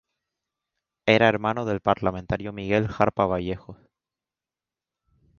Era hermano del parlamentario Miguel Jarpa Vallejos.